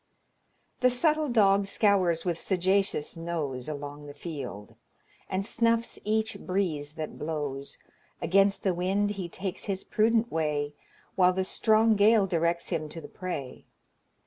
"The subtle dog scours with sagacious nose Along the field, and snuffs each breeze that blows; Against the wind he takes his prudent way, While the strong gale directs him to the prey.